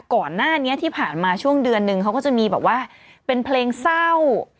ก่อนหน้านี้ที่ผ่านมาช่วงเดือนนึงเขาก็จะมีแบบว่าเป็นเพลงเศร้า